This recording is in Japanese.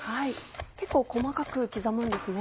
結構細かく刻むんですね。